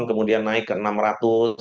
kemudian naik ke rp enam ratus